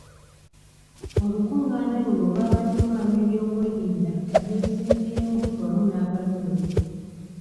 Olukungaana luno olwabaddemu ab'ebyokwerinda, abeesimbyewo wamu n'abalonzi.